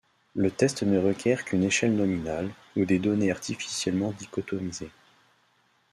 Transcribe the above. Le test ne requiert qu'une échelle nominale ou des données artificiellement dichotomisées.